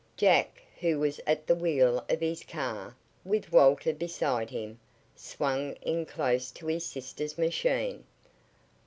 Jack, who was at the wheel of his car, with Walter beside him, swung in close to his sister's machine.